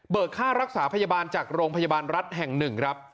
เบิกค่ารักษาพยาบาลจากโรงพยาบาลรัฐแห่ง๑ครับ